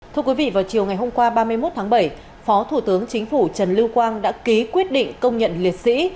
thưa quý vị vào chiều ngày hôm qua ba mươi một tháng bảy phó thủ tướng chính phủ trần lưu quang đã ký quyết định công nhận liệt sĩ